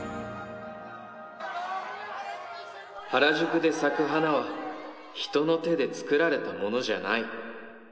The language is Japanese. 原宿で咲く花は人の手で作られたものじゃない。